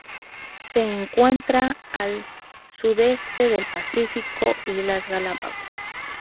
Se encuentran al sudeste del Pacífico: islas Galápagos.